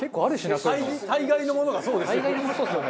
大概のものがそうですよ。